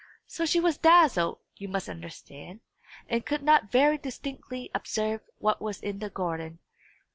So she was dazzled, you must understand, and could not very distinctly observe what was in the garden.